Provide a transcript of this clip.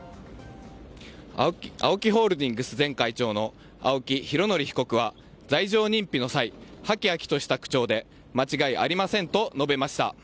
ＡＯＫＩホールディングス前会長の青木拡憲被告は罪状認否の際はきはきとした口調で間違いありませんと述べました。